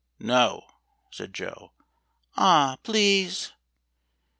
"No," said Joe. "Ah, please!"